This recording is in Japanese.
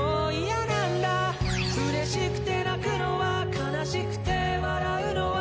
「嬉しくて泣くのは悲しくて笑うのは」